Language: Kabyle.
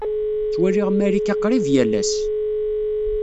Ttwaliɣ Marika qrib yal ass.